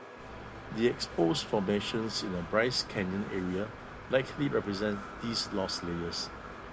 The exposed formations in the Bryce Canyon area likely represent these lost layers.